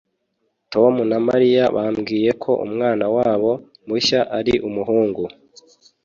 Tom na Mariya bambwiye ko umwana wabo mushya ari umuhungu.